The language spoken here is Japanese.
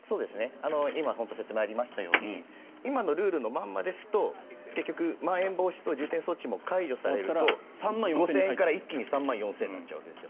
今、説明にありましたように今のルールのままですと結局、まん延防止等重点措置も解除されると５０００から一気に３万４０００になっちゃうわけですよ。